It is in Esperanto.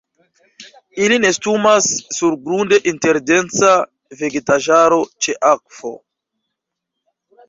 Ili nestumas surgrunde inter densa vegetaĵaro ĉe akvo.